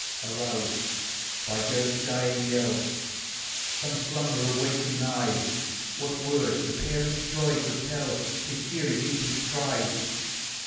Aroused by Gelert's dying yell, Some slumberer wakened nigh : What words the parent's joy could tell To hear his infant's cry